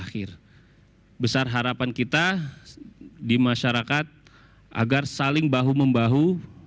besar harapan kita di masyarakat agar saling bahu membahu